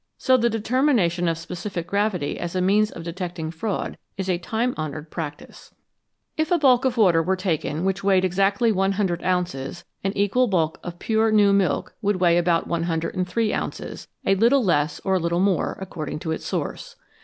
So the deter mination of specific gravity as a means of detecting fraud is a time honoured practice. 262 THE ADULTERATION OF FOOD If a bulk of water were taken which weighed exactly 100 ounces, an equal bulk of pure new milk would weigh about 103 ounces, a little less or a little more, according to its source.